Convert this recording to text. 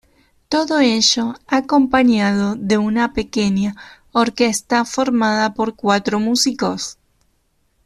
Todo ello acompañado de una pequeña orquesta formada por cuatro músicos.